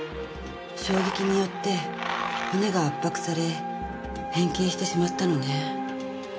衝撃によって骨が圧迫され変形してしまったのね。